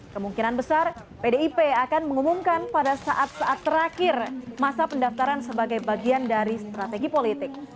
kemungkinan besar pdip akan mengumumkan pada saat saat terakhir masa pendaftaran sebagai bagian dari strategi politik